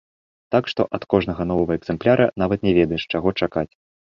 Так што ад кожнага новага экзэмпляра нават не ведаеш, чаго чакаць.